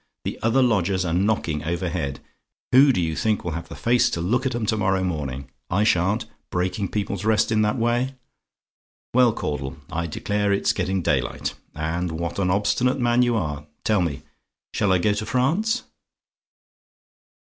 The other lodgers are knocking overhead: who do you think will have the face to look at 'em to morrow morning? I sha'n't breaking people's rest in that way! "Well, Caudle I declare it's getting daylight, and what an obstinate man you are! tell me, shall I go to France?"